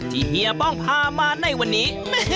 เฮียป้องพามาในวันนี้